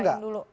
oh kamu nggak